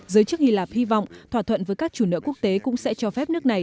giới chức hy lạp hy vọng thỏa thuận với các chủ nợ quốc tế cũng sẽ cho phép nước này